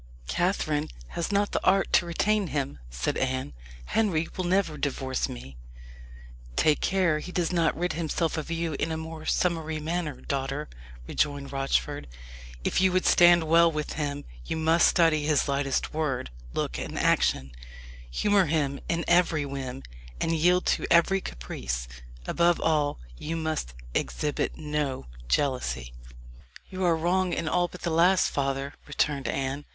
"Catherine has not the art to retain him," said Anne. "Henry will never divorce me." "Take care he does not rid himself of you in a more summary manner, daughter," rejoined Rochford. "If you would stand well with him, you must study his lightest word, look, and action humour him in every whim and yield to every caprice. Above all, you must exhibit no jealousy." "You are wrong in all but the last, father," returned Anne.